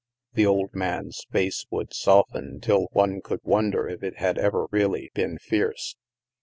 The old man's face would soften till one could wonder if it had ever really been fierce.